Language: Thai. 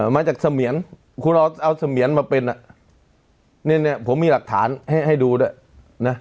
มาจากเสมียนคุณเอาเสมียนมาเป็นอ่ะเนี่ยผมมีหลักฐานให้ให้ดูด้วยนะ